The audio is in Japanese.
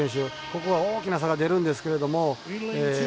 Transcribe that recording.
ここは大きな差が出るんですけれども。